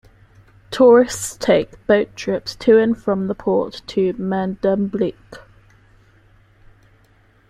Tourists take boat trips to and from the port to Medemblik.